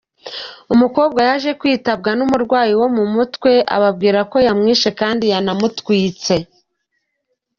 Umukobwa yaje kwitabwa n’umurwayi wo mu mutwe ababwira ko yamwishe kandi yanamutwitse”.